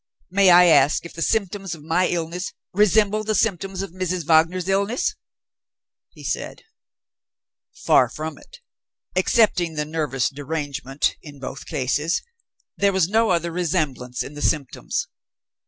"May I ask if the symptoms of my illness resembled the symptoms of Mrs. Wagner's illness?" he said. "Far from it. Excepting the nervous derangement, in both cases, there was no other resemblance in the symptoms.